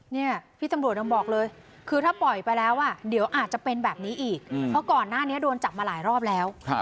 เนี่ยพี่ตำรวจยังบอกเลยคือถ้าปล่อยไปแล้วอ่ะเดี๋ยวอาจจะเป็นแบบนี้อีกเพราะก่อนหน้านี้โดนจับมาหลายรอบแล้ว